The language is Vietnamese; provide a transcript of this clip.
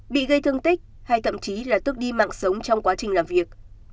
bị gây thương tích hay thậm chí là tước đi mạng sống trong quá trình làm việc